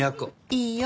いいよ。